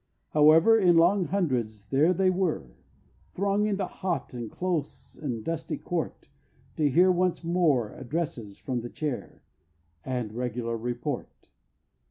However, in long hundreds there they were, Thronging the hot, and close, and dusty court, To hear once more addresses from the Chair, And regular Report.